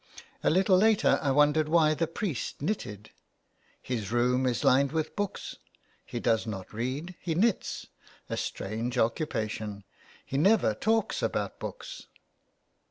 A little later I wondered why the priest knitted. " His room is lined with books. He does not read, he knits, a strange occupation ! He never talks about books."